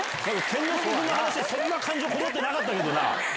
健之介君の話、そんな感情込もってなかったけどな。